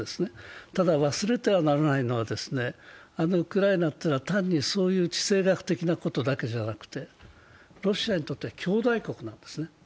ただ、忘れてはならないのはウクライナというのは単にそういう地政学的なことだけじゃなくロシアにとって兄弟国なんですね。